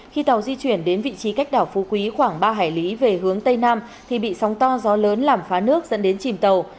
khi tàu di chuyển đến vị trí cách đảo phú quý khoảng ba hải lý về hướng tây nam thì bị sóng to gió lớn làm phá nước dẫn đến chìm tàu